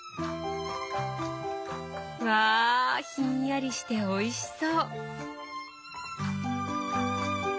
わひんやりしておいしそう！